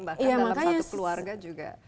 bahkan dalam satu keluarga juga